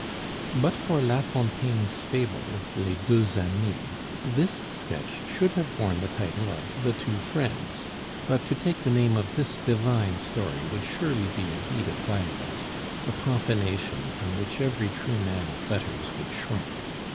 But for La Fontaine's fable, Les Deux Amis, this sketch should have borne the title of The Two Friends; but to take the name of this divine story would surely be a deed of violence, a profanation from which every true man of letters would shrink.